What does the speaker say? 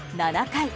７回。